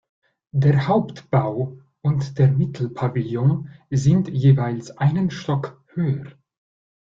Der Hauptbau und der Mittelpavillon sind jeweils einen Stock höher.